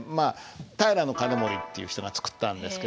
平兼盛っていう人が作ったんですけど。